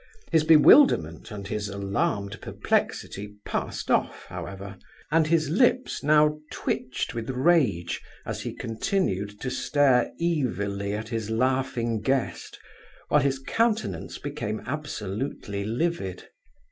His bewilderment and his alarmed perplexity passed off, however, and his lips now twitched with rage as he continued to stare evilly at his laughing guest, while his countenance became absolutely livid.